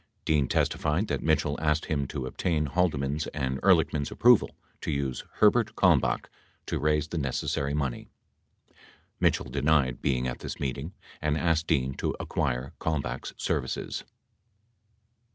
61 Dean testified that Mitchell asked him to obtain Haldeman's and Ehrlichman's approval to use Herbert Kalmbach to raise the necessary money. 62 Mitchell denied being at this meeting and asking Dean to acquire Ivalmbach's services.